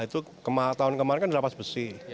itu tahun kemarin kan di lapas besi